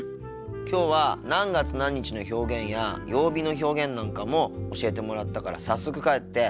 きょうは何月何日の表現や曜日の表現なんかも教えてもらったから早速帰って復習しようと思ってるよ。